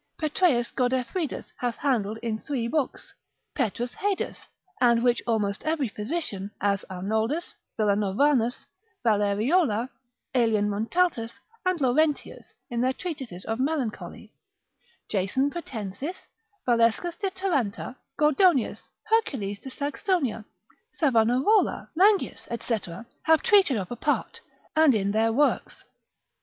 Petrus Godefridus hath handled in three books, P. Haedus, and which almost every physician, as Arnoldus, Villanovanus, Valleriola observat. med. lib. 2. observ. 7. Aelian Montaltus and Laurentius in their treatises of melancholy, Jason Pratensis de morb. cap. Valescus de Taranta, Gordonius, Hercules de Saxonia, Savanarola, Langius, &c., have treated of apart, and in their works.